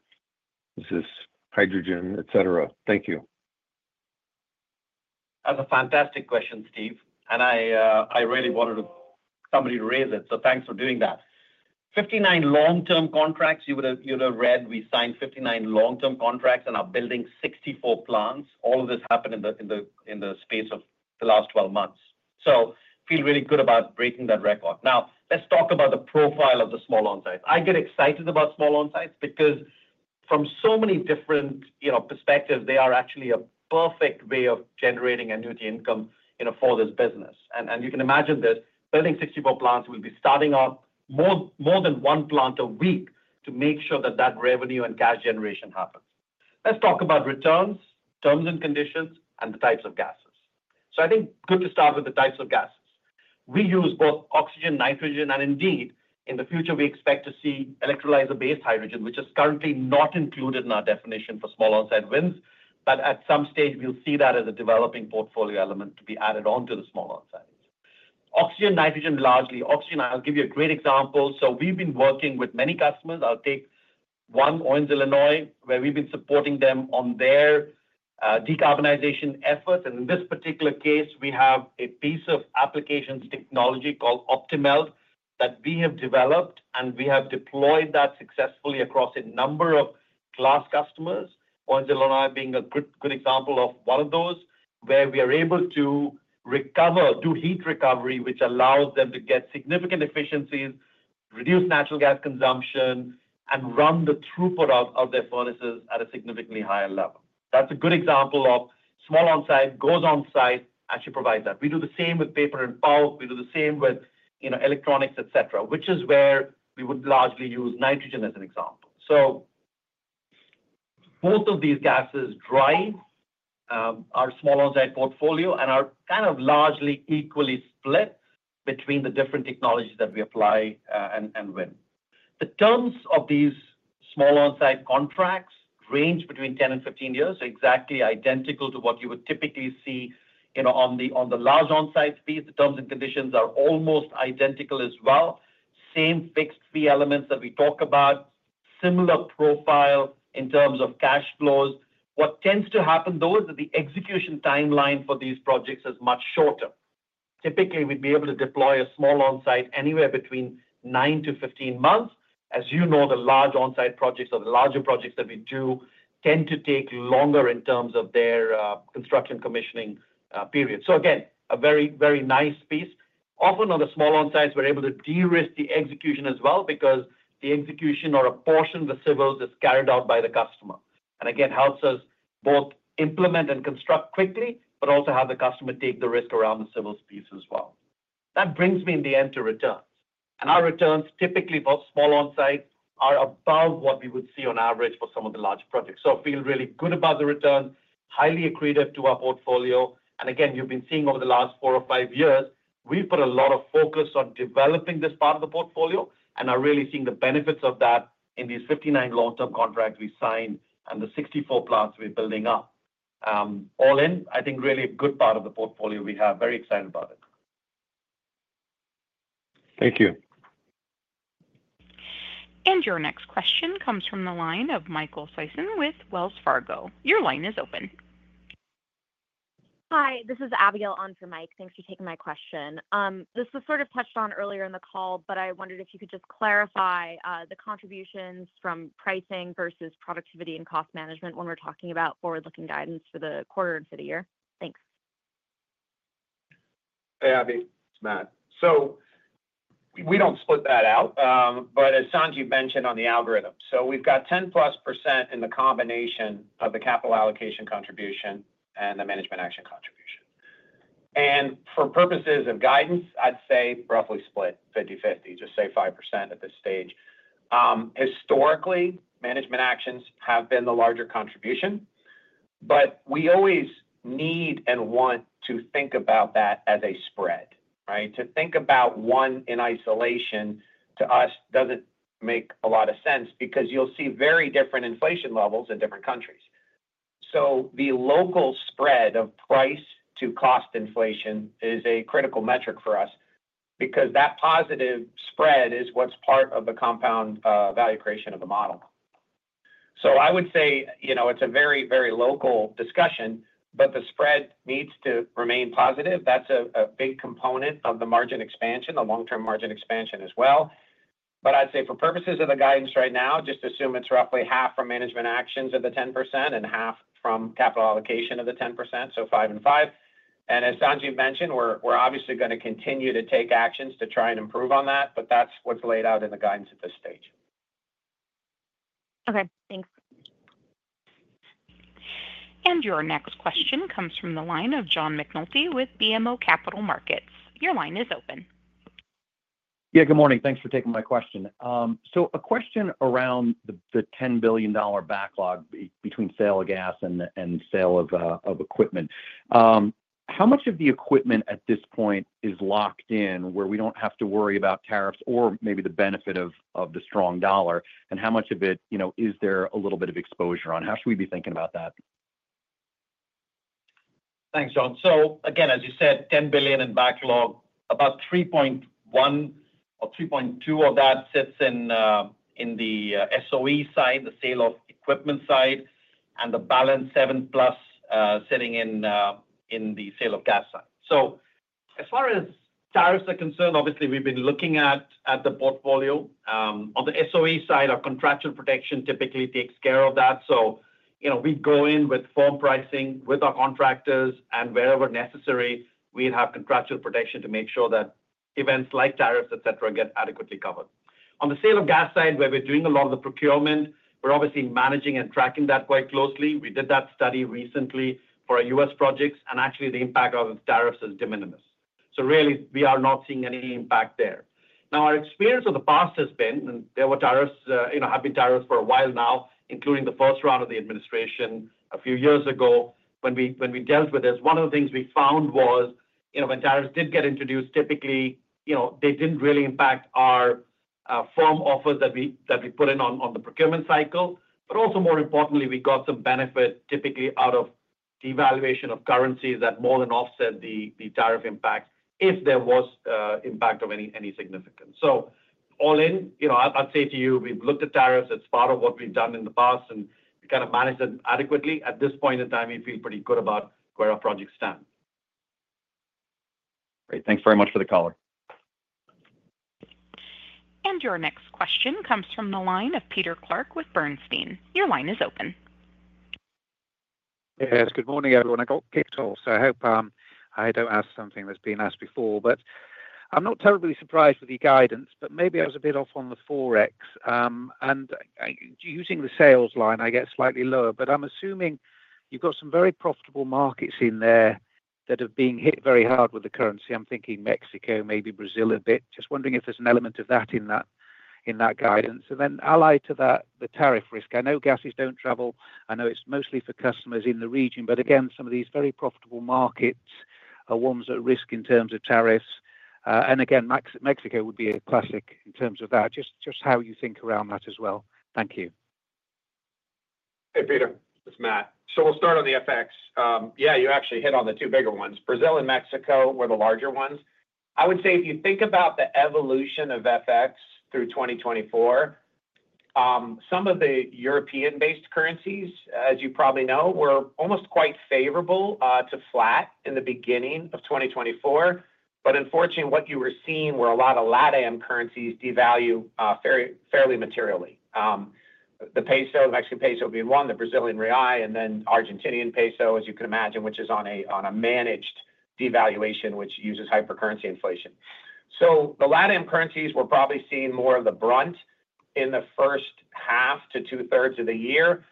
is this hydrogen, etc.? Thank you. That's a fantastic question, Steve. I really wanted somebody to raise it. Thanks for doing that. 59 long-term contracts. You would have read we signed 59 long-term contracts and are building 64 plants. All of this happened in the space of the last 12 months. I feel really good about breaking that record. Now, let's talk about the profile of the small on-sites. I get excited about small on-sites because from so many different perspectives, they are actually a perfect way of generating annuity income for this business. You can imagine this. Building 64 plants will be starting off more than one plant a week to make sure that that revenue and cash generation happens. Let's talk about returns, terms and conditions, and the types of gases. I think good to start with the types of gases. We use both oxygen, nitrogen, and indeed, in the future, we expect to see electrolyzer-based hydrogen, which is currently not included in our definition for small on-site wins, but at some stage, we'll see that as a developing portfolio element to be added onto the small on-sites. Oxygen, nitrogen, largely oxygen. I'll give you a great example. So we've been working with many customers. I'll take one Owens Illinois, where we've been supporting them on their decarbonization efforts, and in this particular case, we have a piece of applications technology called OPTIMELT that we have developed, and we have deployed that successfully across a number of glass customers. Owens Illinois being a good example of one of those, where we are able to recover, do heat recovery, which allows them to get significant efficiencies, reduce natural gas consumption, and run the throughput of their furnaces at a significantly higher level. That's a good example of small onsite, goes onsite, actually provides that. We do the same with paper and pulp. We do the same with electronics, etc., which is where we would largely use nitrogen as an example. So both of these gases drive our small onsite portfolio and are kind of largely equally split between the different technologies that we apply and win. The terms of these small onsite contracts range between 10 and 15 years, exactly identical to what you would typically see on the large onsite fees. The terms and conditions are almost identical as well. Same fixed fee elements that we talk about, similar profile in terms of cash flows. What tends to happen, though, is that the execution timeline for these projects is much shorter. Typically, we'd be able to deploy a small onsite anywhere between 9 to 15 months. As you know, the large onsite projects or the larger projects that we do tend to take longer in terms of their construction commissioning period. So again, a very, very nice piece. Often on the small on-sites, we're able to de-risk the execution as well because the execution or a portion of the civils is carried out by the customer. And again, helps us both implement and construct quickly, but also have the customer take the risk around the civils piece as well. That brings me in the end to returns. And our returns typically for small on-sites are above what we would see on average for some of the large projects. So I feel really good about the returns, highly accretive to our portfolio. And again, you've been seeing over the last four or five years, we've put a lot of focus on developing this part of the portfolio and are really seeing the benefits of that in these 59 long-term contracts we signed and the 64 plants we're building up. All in, I think really a good part of the portfolio we have. Very excited about it. Thank you. And your next question comes from the line of Michael Sison with Wells Fargo. Your line is open. Hi, this is Abiel on for Mike. Thanks for taking my question. This was sort of touched on earlier in the call, but I wondered if you could just clarify the contributions from pricing versus productivity and cost management when we're talking about forward-looking guidance for the quarter and for the year. Thanks. Hey, Abiel. It's Matt. So we don't split that out, but as Sanjiv mentioned on the call. So we've got 10+% in the combination of the capital allocation contribution and the management action contribution. And for purposes of guidance, I'd say roughly split 50/50, just say 5% at this stage. Historically, management actions have been the larger contribution, but we always need and want to think about that as a spread, right? To think about one in isolation to us doesn't make a lot of sense because you'll see very different inflation levels in different countries. So the local spread of price to cost inflation is a critical metric for us because that positive spread is what's part of the compound value creation of the model. So I would say it's a very, very local discussion, but the spread needs to remain positive. That's a big component of the margin expansion, the long-term margin expansion as well. But I'd say for purposes of the guidance right now, just assume it's roughly half from management actions of the 10% and half from capital allocation of the 10%, so five and five. And as Sanjiv mentioned, we're obviously going to continue to take actions to try and improve on that, but that's what's laid out in the guidance at this stage. Okay. Thanks. And your next question comes from the line of John McNulty with BMO Capital Markets. Your line is open. Yeah, good morning. Thanks for taking my question. So a question around the $10 billion backlog between sale of gas and sale of equipment. How much of the equipment at this point is locked in where we don't have to worry about tariffs or maybe the benefit of the strong dollar, and how much of it is there a little bit of exposure on? How should we be thinking about that? Thanks, John. So again, as you said, $10 billion in backlog, about $3.1 billion or $3.2 billion of that sits in the SOE side, the sale of equipment side, and the balance $7 billion plus sitting in the sale of gas side. So as far as tariffs are concerned, obviously, we've been looking at the portfolio. On the SOE side, our contractual protection typically takes care of that. So we go in with firm pricing with our contractors, and wherever necessary, we'd have contractual protection to make sure that events like tariffs, etc., get adequately covered. On the sale of gas side, where we're doing a lot of the procurement, we're obviously managing and tracking that quite closely. We did that study recently for our U.S. projects, and actually, the impact of the tariffs is de minimis. So really, we are not seeing any impact there. Now, our experience of the past has been, and there have been tariffs for a while now, including the first round of the administration a few years ago when we dealt with this. One of the things we found was when tariffs did get introduced, typically, they didn't really impact our firm offers that we put in on the procurement cycle. But also more importantly, we got some benefit typically out of devaluation of currencies that more than offset the tariff impact if there was impact of any significance. So all in, I'd say to you, we've looked at tariffs. It's part of what we've done in the past, and we kind of managed it adequately. At this point in time, we feel pretty good about where our projects stand. Great. Thanks very much for the call. And your next question comes from the line of Peter Clark with Bernstein. Your line is open. Yes, good morning, everyone. I got kicked off, so I hope I don't ask something that's been asked before. But I'm not terribly surprised with the guidance, but maybe I was a bit off on the FX. And using the sales line, I get slightly lower, but I'm assuming you've got some very profitable markets in there that are being hit very hard with the currency. I'm thinking Mexico, maybe Brazil a bit. Just wondering if there's an element of that in that guidance. And then allied to that, the tariff risk. I know gases don't travel. I know it's mostly for customers in the region, but again, some of these very profitable markets are ones at risk in terms of tariffs. And again, Mexico would be a classic in terms of that. Just how you think around that as well. Thank you. Hey, Peter. It's Matt. So we'll start on the FX. Yeah, you actually hit on the two bigger ones. Brazil and Mexico were the larger ones. I would say if you think about the evolution of FX through 2024, some of the European-based currencies, as you probably know, were almost quite favorable to flat in the beginning of 2024. But unfortunately, what you were seeing were a lot of LATAM currencies devalue fairly materially. The Mexican peso being one, the Brazilian real, and then Argentinian peso, as you can imagine, which is on a managed devaluation, which uses hypercurrency inflation. So the LATAM currencies were probably seeing more of the brunt in the first half to two-thirds of the year.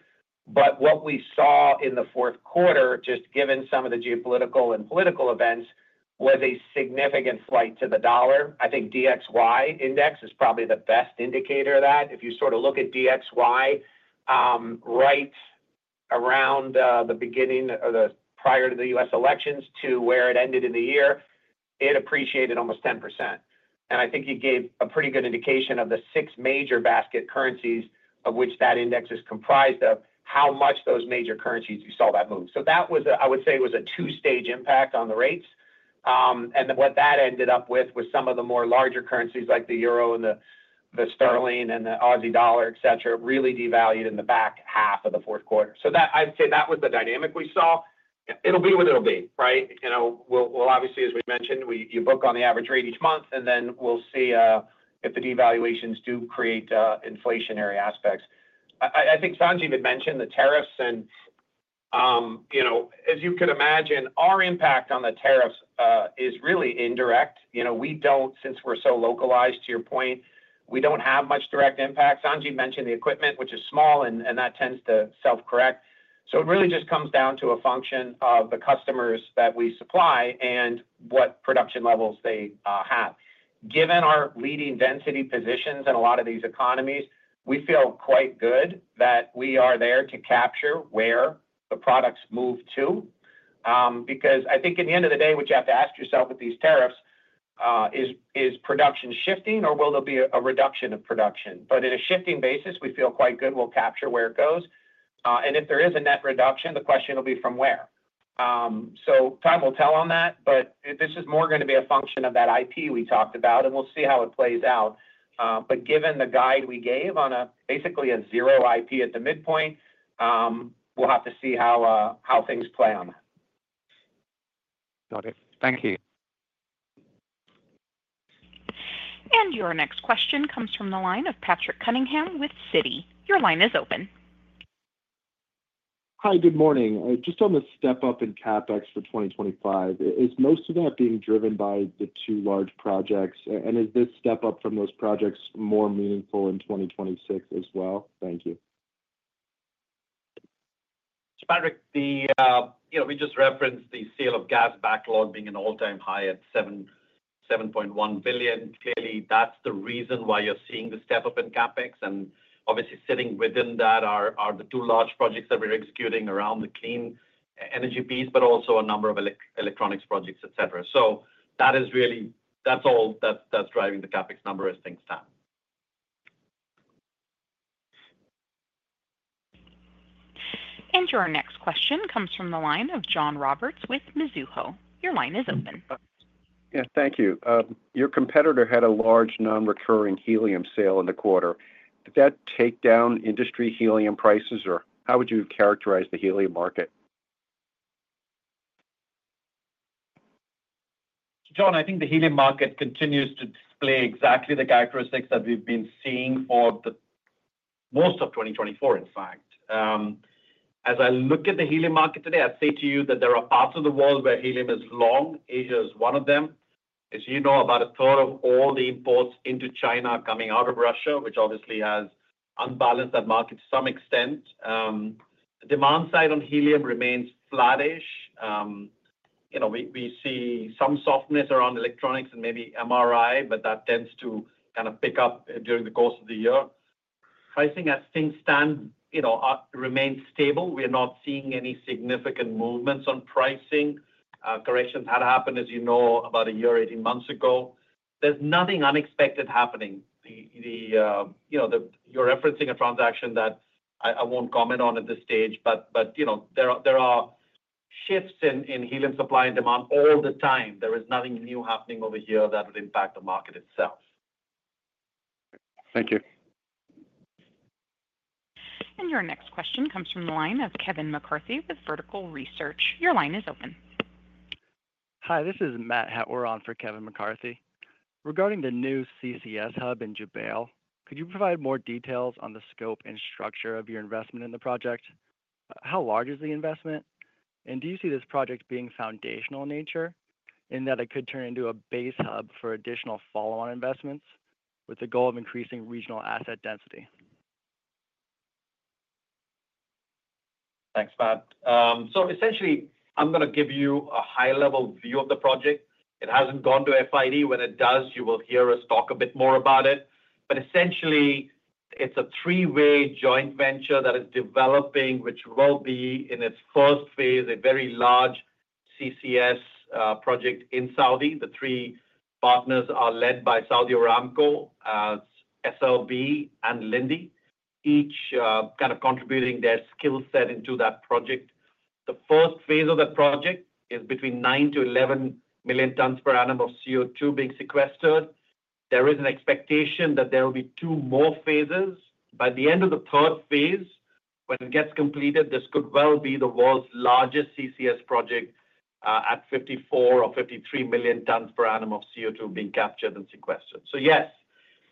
But what we saw in the fourth quarter, just given some of the geopolitical and political events, was a significant flight to the dollar. I think DXY index is probably the best indicator of that. If you sort of look at DXY right around the beginning or prior to the U.S. elections to where it ended in the year, it appreciated almost 10%. And I think you gave a pretty good indication of the six major basket currencies of which that index is comprised of, how much those major currencies you saw that move. That was, I would say, it was a two-stage impact on the rates. And what that ended up with was some of the more larger currencies like the euro and the sterling and the Aussie dollar, etc., really devalued in the back half of the fourth quarter. I'd say that was the dynamic we saw. It'll be what it'll be, right? We'll obviously, as we mentioned, you book on the average rate each month, and then we'll see if the devaluations do create inflationary aspects. I think Sanjiv had mentioned the tariffs. And as you could imagine, our impact on the tariffs is really indirect. Since we're so localized, to your point, we don't have much direct impact. Sanjiv mentioned the equipment, which is small, and that tends to self-correct. So it really just comes down to a function of the customers that we supply and what production levels they have. Given our leading density positions in a lot of these economies, we feel quite good that we are there to capture where the products move to. Because I think at the end of the day, what you have to ask yourself with these tariffs is, is production shifting, or will there be a reduction of production? But in a shifting basis, we feel quite good. We'll capture where it goes. And if there is a net reduction, the question will be from where. So time will tell on that, but this is more going to be a function of that IP we talked about, and we'll see how it plays out. But given the guide we gave on basically a zero IP at the midpoint, we'll have to see how things play on that. Got it. Thank you. And your next question comes from the line of Patrick Cunningham with Citi. Your line is open. Hi, good morning. Just on the step-up in CapEx for 2025, is most of that being driven by the two large projects, and is this step-up from those projects more meaningful in 2026 as well? Thank you. Patrick, we just referenced the sale of gas backlog being an all-time high at $7.1 billion. Clearly, that's the reason why you're seeing the step-up in CapEx. And obviously, sitting within that are the two large projects that we're executing around the clean energy piece, but also a number of electronics projects, etc. So that's all that's driving the CapEx number as things stand. Your next question comes from the line of John Roberts with Mizuho. Your line is open. Yeah, thank you. Your competitor had a large non-recurring helium sale in the quarter. Did that take down industry helium prices, or how would you characterize the helium market? John, I think the helium market continues to display exactly the characteristics that we've been seeing for most of 2024, in fact. As I look at the helium market today, I'd say to you that there are parts of the world where helium is long. Asia is one of them. As you know, about a third of all the imports into China are coming out of Russia, which obviously has unbalanced that market to some extent. The demand side on helium remains flattish. We see some softness around electronics and maybe MRI, but that tends to kind of pick up during the course of the year. Pricing, as things stand, remains stable. We are not seeing any significant movements on pricing. Corrections had happened, as you know, about a year, 18 months ago. There's nothing unexpected happening. You're referencing a transaction that I won't comment on at this stage, but there are shifts in helium supply and demand all the time. There is nothing new happening over here that would impact the market itself. Thank you. And your next question comes from the line of Kevin McCarthy with Vertical Research Partners. Your line is open. Hi, this is Matt Hettwer for Kevin McCarthy. Regarding the new CCS hub in Jubail, could you provide more details on the scope and structure of your investment in the project? How large is the investment? Do you see this project being foundational in nature in that it could turn into a base hub for additional follow-on investments with the goal of increasing regional asset density? Thanks, Matt. Essentially, I'm going to give you a high-level view of the project. It hasn't gone to FID. When it does, you will hear us talk a bit more about it. Essentially, it's a three-way joint venture that is developing, which will be, in its first phase, a very large CCS project in Saudi. The three partners are led by Saudi Aramco, SLB, and Linde, each kind of contributing their skill set into that project. The first phase of that project is between 9 to 11 million tons per annum of CO2 being sequestered. There is an expectation that there will be two more phases. By the end of the third phase, when it gets completed, this could well be the world's largest CCS project at 54 or 53 million tons per annum of CO2 being captured and sequestered. So yes,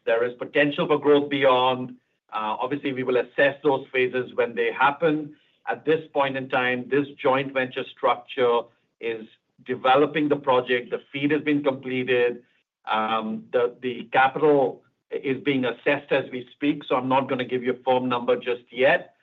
there is potential for growth beyond. Obviously, we will assess those phases when they happen. At this point in time, this joint venture structure is developing the project. The FEED has been completed. The capital is being assessed as we speak, so I'm not going to give you a firm number just yet.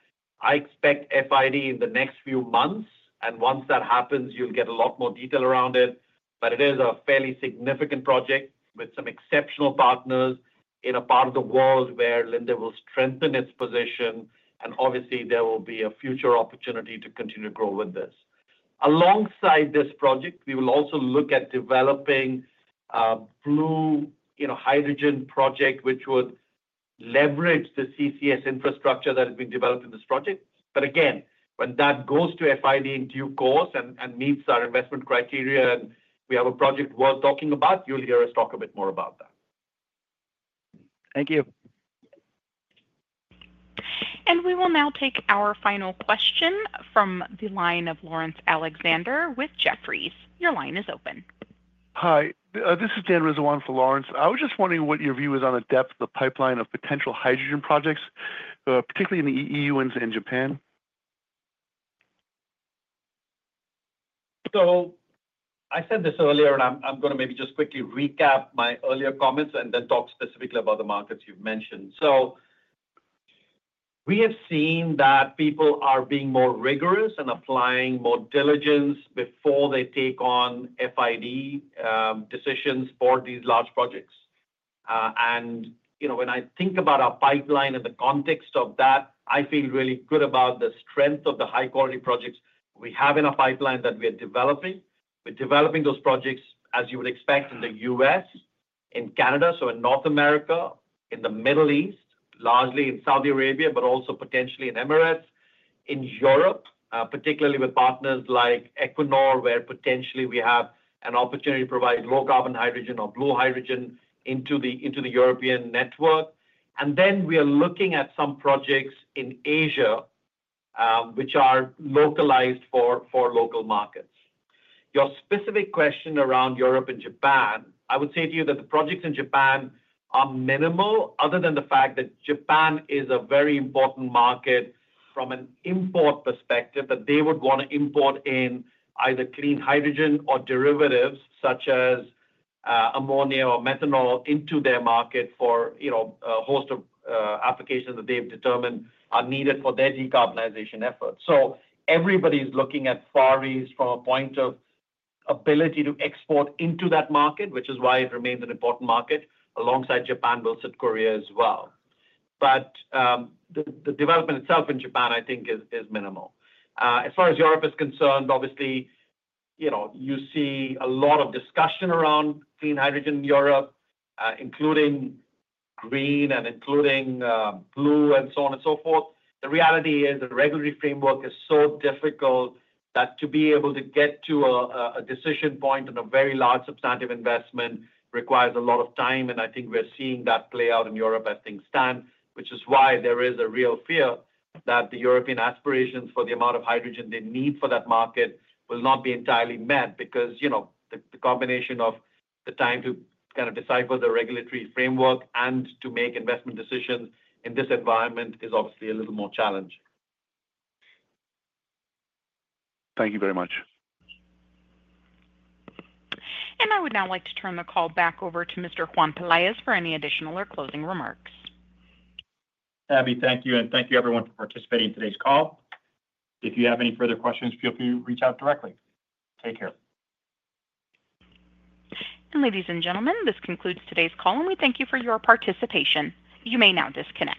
I expect FID in the next few months, and once that happens, you'll get a lot more detail around it. But it is a fairly significant project with some exceptional partners in a part of the world where Linde will strengthen its position, and obviously, there will be a future opportunity to continue to grow with this. Alongside this project, we will also look at developing a blue hydrogen project, which would leverage the CCS infrastructure that has been developed in this project. But again, when that goes to FID in due course and meets our investment criteria, and we have a project worth talking about, you'll hear us talk a bit more about that. Thank you. We will now take our final question from the line of Laurence Alexander with Jefferies. Your line is open. Hi, this is Dan Rizzo for Laurence. I was just wondering what your view is on the depth of the pipeline of potential hydrogen projects, particularly in the EU and Japan. So I said this earlier, and I'm going to maybe just quickly recap my earlier comments and then talk specifically about the markets you've mentioned. So we have seen that people are being more rigorous and applying more diligence before they take on FID decisions for these large projects. And when I think about our pipeline and the context of that, I feel really good about the strength of the high-quality projects we have in our pipeline that we are developing. We're developing those projects, as you would expect, in the U.S., in Canada, so in North America, in the Middle East, largely in Saudi Arabia, but also potentially in Emirates, in Europe, particularly with partners like Equinor, where potentially we have an opportunity to provide low-carbon hydrogen or blue hydrogen into the European network. And then we are looking at some projects in Asia which are localized for local markets. Your specific question around Europe and Japan, I would say to you that the projects in Japan are minimal, other than the fact that Japan is a very important market from an import perspective, that they would want to import in either clean hydrogen or derivatives such as ammonia or methanol into their market for a host of applications that they've determined are needed for their decarbonization efforts. So everybody's looking at Far East from a point of ability to export into that market, which is why it remains an important market, alongside Japan, but also Korea as well. But the development itself in Japan, I think, is minimal. As far as Europe is concerned, obviously, you see a lot of discussion around clean hydrogen in Europe, including green and including blue and so on and so forth. The reality is the regulatory framework is so difficult that to be able to get to a decision point on a very large substantive investment requires a lot of time. And I think we're seeing that play out in Europe as things stand, which is why there is a real fear that the European aspirations for the amount of hydrogen they need for that market will not be entirely met because the combination of the time to kind of decipher the regulatory framework and to make investment decisions in this environment is obviously a little more challenging. Thank you very much. And I would now like to turn the call back over to Mr. Juan Peláez for any additional or closing remarks. Abby, thank you. And thank you, everyone, for participating in today's call. If you have any further questions, feel free to reach out directly. Take care. Ladies and gentlemen, this concludes today's call, and we thank you for your participation. You may now disconnect.